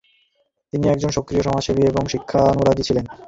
তিনি একজন সক্রিয় সামাজসেবী এবং শিক্ষানুরাগী ছিলেন।